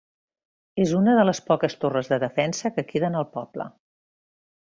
És una de les poques torres de defensa que queden al poble.